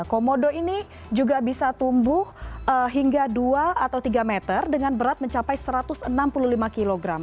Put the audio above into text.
komodo ini juga bisa tumbuh hingga dua atau tiga meter dengan berat mencapai satu ratus enam puluh lima kg